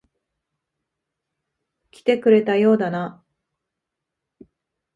来てくれたようだな。